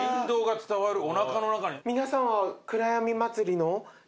皆さんは。